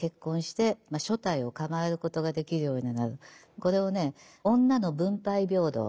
これをね女の分配平等。